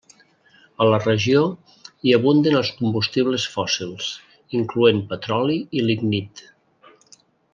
A la regió hi abunden els combustibles fòssils incloent petroli i lignit.